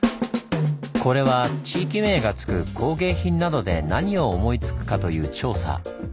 これは地域名が付く工芸品などで何を思いつくかという調査。